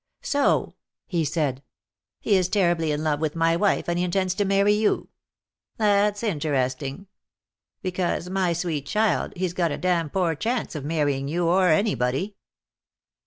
"So," he said, "he is terribly in love with my wife, and he intends to marry you. That's interesting. Because, my sweet child, he's got a damn poor chance of marrying you, or anybody."